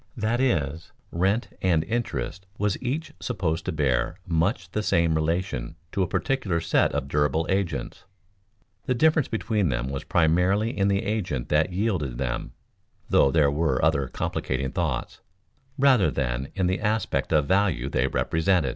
That is, rent and interest was each supposed to bear much the same relation to a particular set of durable agents; the difference between them was primarily in the agent that yielded them (though there were other complicating thoughts) rather than in the aspect of value they represented.